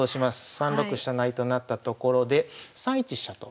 ３六飛車成となったところで３一飛車と。